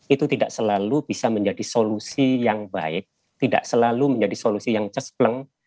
itu tidak selalu bisa menjadi solusi yang baik tidak selalu menjadi solusi yang cespleng